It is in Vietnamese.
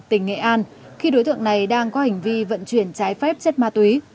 tỉnh nghệ an khi đối tượng này đang có hành vi vận chuyển trái phép chất ma túy